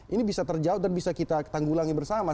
ini bisa terjawab dan bisa kita tanggulangi bersama